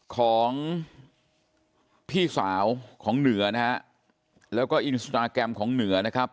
ของพี่สาวของเหนือนะฮะแล้วก็อินสตราแกรมของเหนือนะครับ